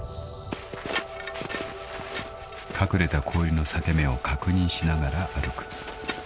［隠れた氷の裂け目を確認しながら歩く］